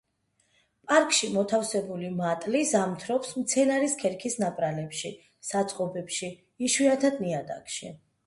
პარკში მოთავსებული მატლი ზამთრობს მცენარის ქერქის ნაპრალებში, საწყობებში, იშვიათად ნიადაგში.